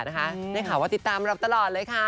ได้ข่าวว่าติดตามเราตลอดเลยค่ะ